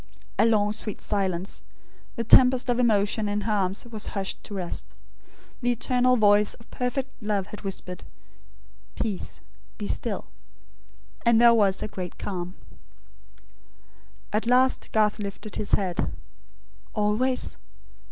A long sweet silence. The tempest of emotion in her arms was hushed to rest. The eternal voice of perfect love had whispered: "Peace, be still"; and there was a great calm. At last Garth lifted his head. "Always?